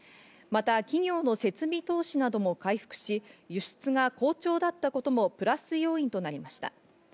また企業の設備投資なども回復し、輸出が好調だったこともプラス要因となりました。